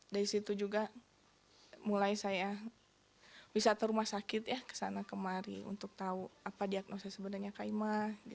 dari situ juga mulai saya wisata rumah sakit ya kesana kemari untuk tahu apa diagnosa sebenarnya kaima